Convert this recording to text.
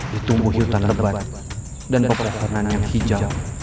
ditumbuh hutan lebat dan peperangan yang hijau